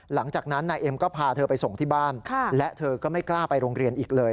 หลังจากนั้นนายเอ็มก็พาเธอไปส่งที่บ้านและเธอก็ไม่กล้าไปโรงเรียนอีกเลย